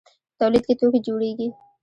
په تولید کې توکي جوړیږي.